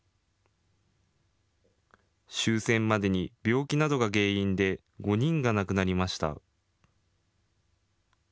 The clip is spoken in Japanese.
終戦までに病気などが原因で５人が亡くなりました。